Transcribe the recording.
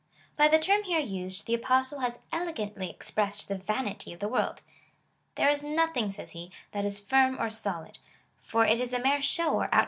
By the term here used, the Apostle has elegantly expressed the vanity of the world. " There is nothing,'' says he, " that is firm or solid ;^ for it is a mere show or outward appearance, as they speak."